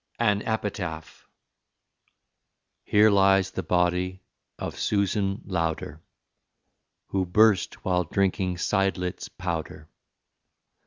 AN EPITAPH Here lies the body of Susan Lowder Who burst while drinking Seidlitz powder.